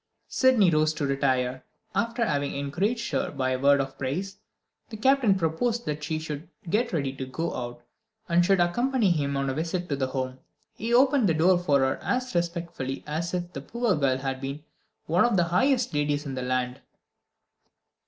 Sydney rose to retire. After having encouraged her by a word of praise, the Captain proposed that she should get ready to go out, and should accompany him on a visit to the Home. He opened the door for her as respectfully as if the poor girl had been one of the highest ladies in the land.